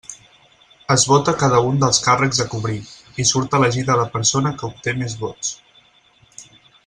Es vota cada un dels càrrecs a cobrir, i surt elegida la persona que obté més vots.